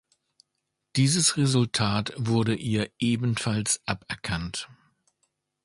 Dieses Resultat wurde ihr ebenfalls aberkannt.